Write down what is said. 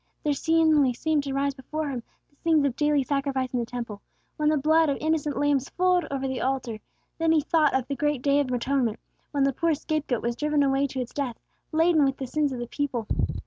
There suddenly seemed to rise before him the scenes of daily sacrifice in the Temple, when the blood of innocent lambs flowed over the altar; then he thought of the great Day of Atonement, when the poor scape goat was driven away to its death, laden with the sins of the people.